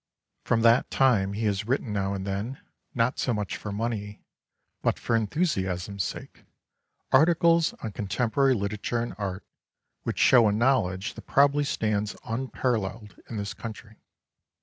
From that time he has written now and then, not so much for money but for enthusiasm's sake, articles on contemporary literature and art which show a knowledge that probably stands un paralleled in this country.